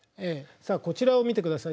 さあこちらを見てください。